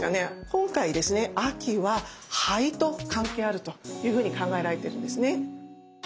今回ですね秋は「肺」と関係あるというふうに考えられてるんですね。